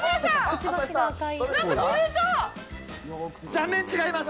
残念、違います。